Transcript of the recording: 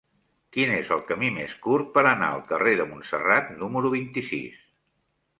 Quin és el camí més curt per anar al carrer de Montserrat número vint-i-sis?